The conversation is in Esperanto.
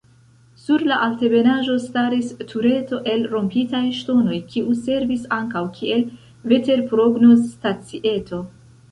Sur la altebenaĵo staris tureto el rompitaj ŝtonoj kiu servis ankaŭ kiel veterprognozstacieto.